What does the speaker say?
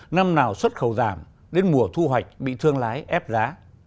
năm nào xuất khẩu giảm đến mùa thu hoạch bị thương lái ép giá